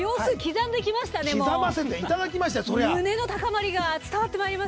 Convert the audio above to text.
胸の高まりが伝わってきます。